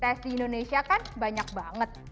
tes di indonesia kan banyak banget